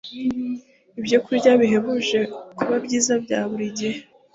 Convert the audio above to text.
ibyokurya bihebuje kuba byiza bya buri gihe